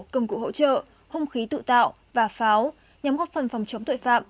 công cụ hỗ trợ không khí tự tạo và pháo nhắm góp phần phòng chống tội phạm